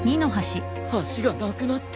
橋がなくなってる。